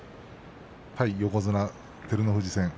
対横綱照ノ富士戦。